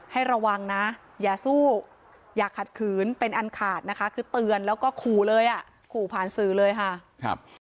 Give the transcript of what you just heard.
ระวังนะอย่าสู้อย่าขัดขืนเป็นอันขาดนะคะคือเตือนแล้วก็ขู่เลยอ่ะขู่ผ่านสื่อเลยค่ะครับ